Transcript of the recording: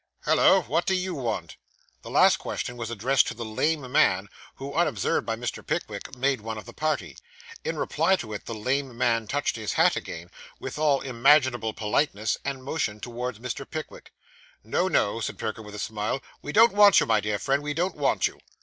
Hallo, what do you want?' This last question was addressed to the lame man, who, unobserved by Mr. Pickwick, made one of the party. In reply to it, the lame man touched his hat again, with all imaginable politeness, and motioned towards Mr. Pickwick. 'No, no,' said Perker, with a smile. 'We don't want you, my dear friend, we don't want you.